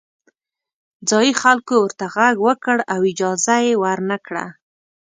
ځايي خلکو ورته غږ وکړ او اجازه یې ورنه کړه.